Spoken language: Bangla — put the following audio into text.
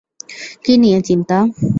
কি নিয়ে চিন্তা?